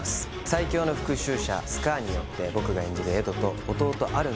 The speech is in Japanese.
最強の復讐者スカーによって僕が演じる